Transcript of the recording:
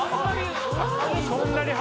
そんなに